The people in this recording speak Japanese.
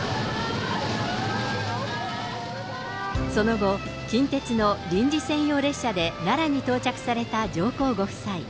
その後、近鉄の臨時専用列車で奈良に到着された上皇ご夫妻。